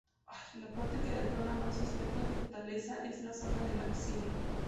La parte que denota más su aspecto de fortaleza es la zona del ábside.